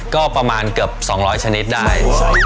ก็ประมาณเกือบสองร้อยชนิดได้